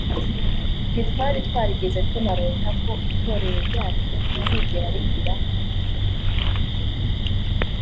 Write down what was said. ntitwari twarigeze tunarota ko itorero ryacu rizigera rigira